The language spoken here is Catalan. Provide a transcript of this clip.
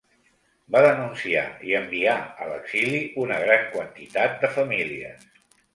Va denunciar i enviar a l'exili una gran quantitat de famílies.